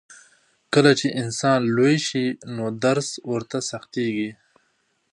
کله چې انسان لوی شي نو درس ورته سختېږي.